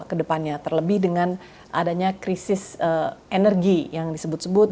kedepannya terlebih dengan adanya krisis energi yang disebut sebut